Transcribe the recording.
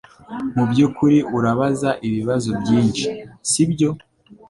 Mubyukuri urabaza ibibazo byinshi, sibyo?